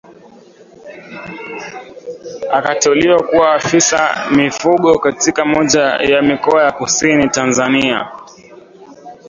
Akateuliwa kuwa afisa mifugo katika moja ya mikoa ya Kusini Tanzania